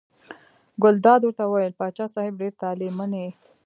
ګلداد ورته وویل: پاچا صاحب ډېر طالع من یې.